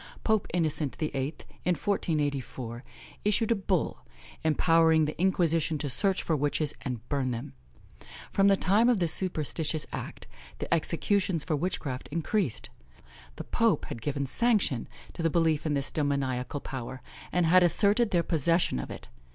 Pope Innocent VIII., in 1484, issued a bull, empowering the Inquisition to search for witches and burn them. From the time of this superstitious act, the executions for witchcraft increased. The pope had given sanction to the belief in this demoniacal power, and had asserted their possession of it.